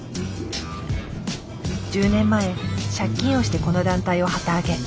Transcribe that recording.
１０年前借金をしてこの団体を旗揚げ。